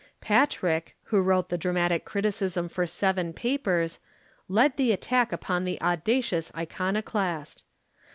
Patrick, who wrote the dramatic criticism for seven papers, led the attack upon the audacious iconoclast.